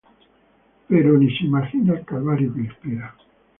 Pero ni se imagina el calvario que le espera.